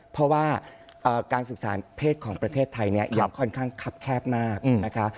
เพราะว่าการศึกษาเพศของประเทศไทยเนี่ยยังค่อนข้างคับแคบมากนะคะ